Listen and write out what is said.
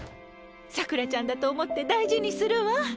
さくらちゃんだと思って大事にするわ。